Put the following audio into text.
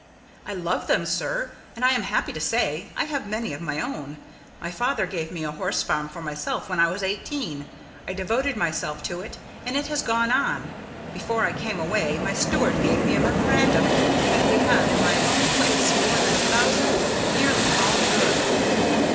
"I love them, sir, and I am happy to say I have many of my own. My father gave me a horse farm for myself when I was eighteen. I devoted myself to it, and it has gone on. Before I came away, my steward gave me a memorandum that we have in my own place more than a thousand, nearly all good."